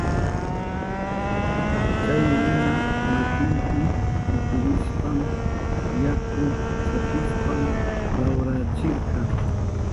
Chay runa makinpi pitirishpan yakupi satishpan lawrachirka.